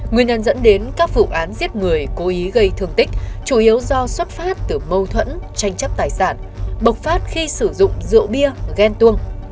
nguyên nhân dẫn đến các vụ án giết người cố ý gây thương tích chủ yếu do xuất phát từ mâu thuẫn tranh chấp tài sản bộc phát khi sử dụng rượu bia ghen tuông